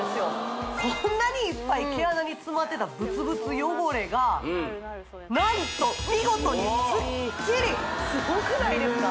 こんなにいっぱい毛穴に詰まってたブツブツ汚れが何と見事にすっきりすごくないですか？